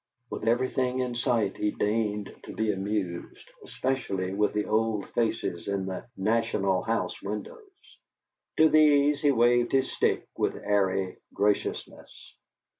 With everything in sight he deigned to be amused, especially with the old faces in the "National House" windows. To these he waved his stick with airy graciousness.